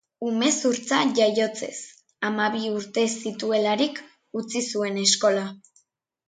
Umezurtza jaiotzez, hamabi urte zituelarik utzi zuen eskola.